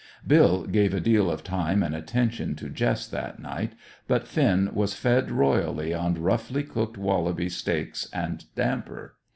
Bill gave a deal of time and attention to Jess that night, but Finn was fed royally on roughly cooked wallaby steaks and damper.